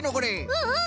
うんうん！